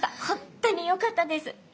本当によかったです。